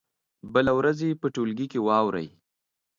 بله ورځ یې په ټولګي کې واوروئ.